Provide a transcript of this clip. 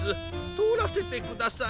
とおらせてください。